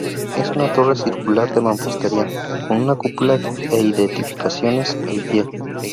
Es una torre circular de mampostería, con una cúpula e edificaciones al pie.